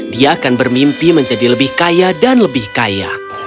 dia akan bermimpi menjadi lebih kaya dan lebih kaya